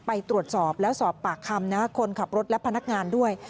ไปตรวจสอบแล้วสอบปากคำคนขับรถและพนักงานด้วย